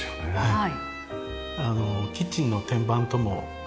はい。